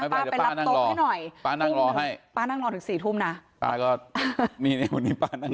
ป้าไปรับโต๊ะให้หน่อยป้านั่งรอให้ป้านั่งรอถึงสี่ทุ่มนะป้าก็นี่นี่วันนี้ป้านั่งรอ